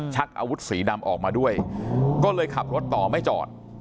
ชักอาวุธสีดำออกมาด้วยก็เลยขับรถต่อไม่จอด